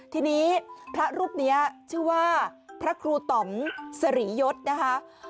ทีนี้พระรูปนี้ชื่อว่าพระครูต่อมสรียศนะคะ